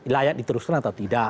layak diteruskan atau tidak